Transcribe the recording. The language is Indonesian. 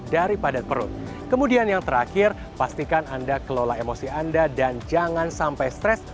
dari padat perut kemudian yang terakhir pastikan anda kelola emosi anda dan jangan sampai stres